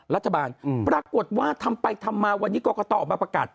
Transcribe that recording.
รัฐบาลปรากฏว่าทำไปทำมาวันนี้กรกตออกมาประกาศ